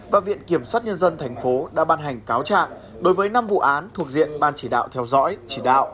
và viện kiểm soát nhân dân thành phố đã ban hành cáo trạng đối với năm vụ án thuộc diện ban chỉ đạo theo dõi